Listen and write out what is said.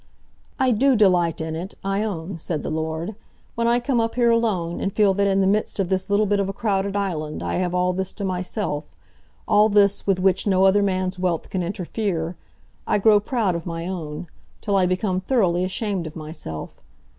"I do delight in it, I own," said the lord. "When I come up here alone, and feel that in the midst of this little bit of a crowded island I have all this to myself, all this with which no other man's wealth can interfere, I grow proud of my own, till I become thoroughly ashamed of myself.